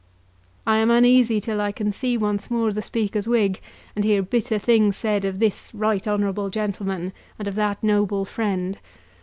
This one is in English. I am uneasy till I can see once more the Speaker's wig, and hear bitter things said of this "right honourable gentleman," and of that noble friend.